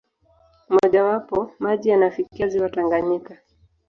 Mmojawapo, maji yanafikia ziwa Tanganyika.